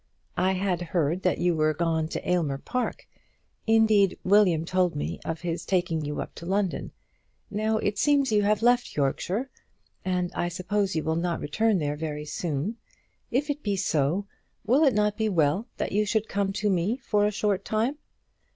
I had heard that you were gone to Aylmer Park. Indeed, William told me of his taking you up to London. Now it seems you have left Yorkshire, and I suppose you will not return there very soon. If it be so, will it not be well that you should come to me for a short time?